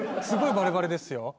すごいバレバレですよ。